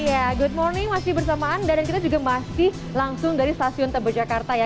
iya good morning masih bersamaan dan kita juga masih langsung dari stasiun tebe jakarta ya